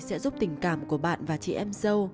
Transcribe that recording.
sẽ giúp tình cảm của bạn và chị em sâu